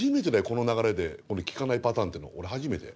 この流れで聞かないパターンっていうの俺初めて。